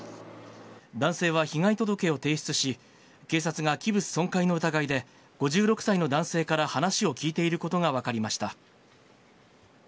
男性は被害届を提出し、警察が器物損壊の疑いで、５６歳の男性から話をきいていることが分かりました。